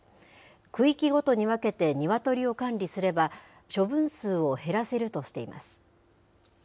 区域ごとに分けてニワトリを管理すれば、処分数を減らせるとしています。